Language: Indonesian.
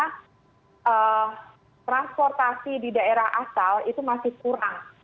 karena transportasi di daerah asal itu masih kurang